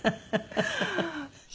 ハハハハ！